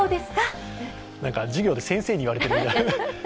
授業で先生に言われているような。